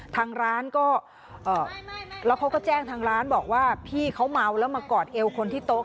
ทางร้านก็แล้วเขาก็แจ้งทางร้านบอกว่าพี่เขาเมาแล้วมากอดเอวคนที่โต๊